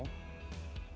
nah ini lebih terang